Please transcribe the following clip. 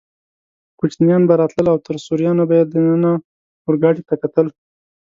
کوچنیان به راتلل او تر سوریانو به یې دننه اورګاډي ته کتل.